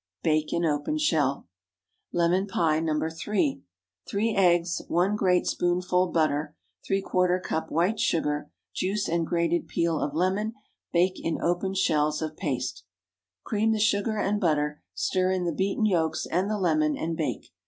Bake in open shell. LEMON PIE (No. 3.) 3 eggs. 1 great spoonful butter. ¾ cup white sugar. Juice and grated peel of lemon. Bake in open shells of paste. Cream the sugar and butter, stir in the beaten yolks and the lemon, and bake.